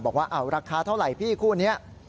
บอกว่าราคาเท่าไหร่พี่คู่นี้